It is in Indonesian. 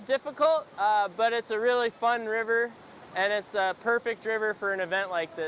dan sungai ini sebuah sungai yang sempurna untuk acara seperti ini